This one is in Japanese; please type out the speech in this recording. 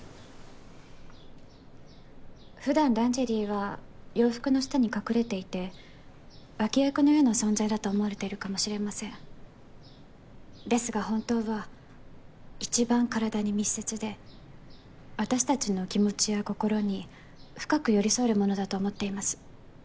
普段ランジェリーは洋服の下に隠れていて脇役のような存在だと思われているかもしれませんですが本当は一番体に密接で私達の気持ちや心に深く寄り添えるものだと思っています